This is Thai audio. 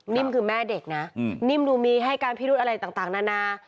นี่คือแม่เด็กนะนิ่มดูมีให้การพิรุธอะไรต่างนานา